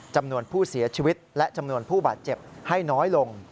จำนวนผู้เสียชีวิตและจำนวนผู้บาดเจ็บให้น้อยลง